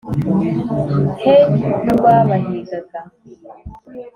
he n’urwabahigaga!